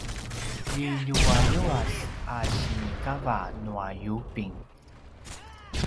liljualjuas a sinikava nua yubing